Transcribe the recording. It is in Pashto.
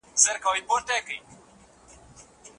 بدن لمر په غذایت بدلوي.